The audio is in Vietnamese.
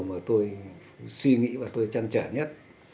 mà tôi suy nghĩ và tôi chăn trở nhất